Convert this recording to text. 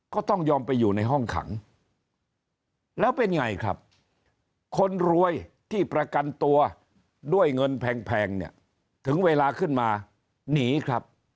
ก็ต้องยอมไปอยู่ในห้องขังแล้วเป็นไงครับคนรวยที่ประกันตัวด้วยเงินแพงเนี่ยถึงเวลาขึ้นมาหนีครับ